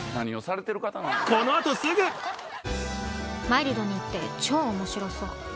マイルドにって超面白そう。